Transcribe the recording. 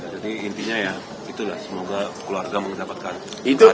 jadi intinya ya itulah semoga keluarga mendapatkan keadilan